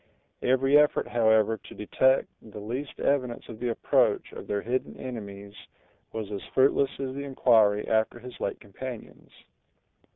Every effort, however, to detect the least evidence of the approach of their hidden enemies was as fruitless as the inquiry after his late companions.